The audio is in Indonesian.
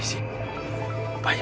shhh jangan berisik